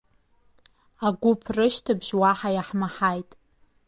Агәыԥ рышьҭыбжь уаҳа иаҳмаҳаит.